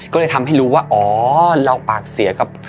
ก็เลยทำให้รู้ว่าอ๋อเราปากเสียกับ